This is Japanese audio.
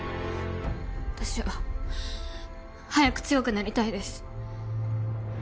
私は早く強くなりたいです。